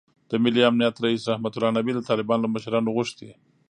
د ملي امنیت رییس رحمتالله نبیل د طالبانو له مشرانو غوښتي